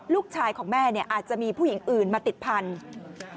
ลูกชายของแม่เนี่ยอาจจะมีผู้หญิงอื่นมาติดพันธุ์